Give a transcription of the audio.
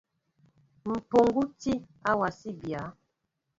Mpuŋgu tí a wasí mbya.